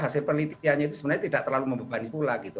hasil penelitiannya itu sebenarnya tidak terlalu membebani pula gitu